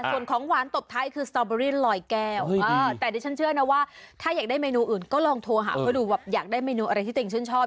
ส่วนของหวานตบท้ายคือสตอเบอรี่ลอยแก้วแต่ดิฉันเชื่อนะว่าถ้าอยากได้เมนูอื่นก็ลองโทรหาเขาดูแบบอยากได้เมนูอะไรที่ตัวเองชื่นชอบ